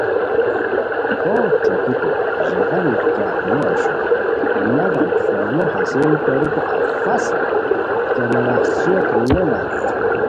پونگ ݯوکیکو ژاغا کیاغ نو اوشوئے مگم سورمو حاصل کوریکو افس کیہ ناواہڅیوت نو لاڑیر